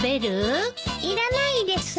いらないです。